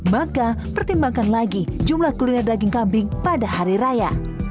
maka pertimbangkan lagi jumlah kuliner daging kambing pada hari raya